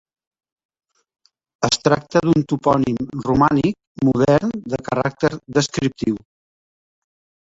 Es tracta d'un topònim romànic modern de caràcter descriptiu.